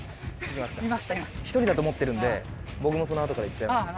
１人だと思ってるんで僕もその後から行っちゃいます。